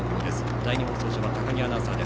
第２放送車は高木アナウンサーです。